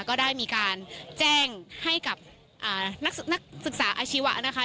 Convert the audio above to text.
ก็ได้มีการแจ้งให้กับนักศึกษาอาชีวะนะคะ